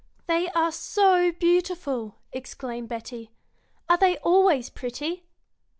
"They are so beautiful!" exclaimed Betty. "Are they always pretty?"